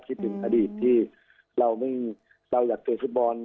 คิดถึงอดีตที่เราอยากเตะฟุตบอล